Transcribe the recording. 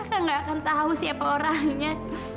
raka nggak akan tahu siapa orangnya